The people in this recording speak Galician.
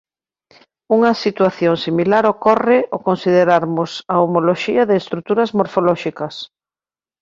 Unha situación similar ocorre ao considerarmos a homoloxía de estruturas morfolóxicas.